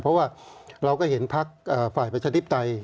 เพราะว่าเราก็เห็นพักฝ่ายประชาธิปไตย